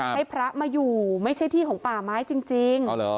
ให้พระมาอยู่ไม่ใช่ที่ของป่าไม้จริง